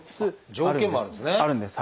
条件もあるんですね。